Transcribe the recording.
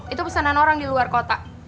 itu pesanan orang di luar kota